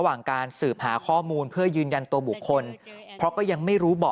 หลังจากพบศพผู้หญิงปริศนาตายตรงนี้ครับ